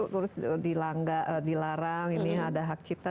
terus dilarang ini ada hak cipta